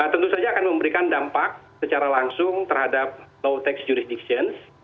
tentu saja akan memberikan dampak secara langsung terhadap low tax jurisdictions